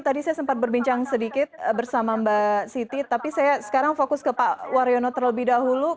tadi saya sempat berbincang sedikit bersama mbak siti tapi saya sekarang fokus ke pak waryono terlebih dahulu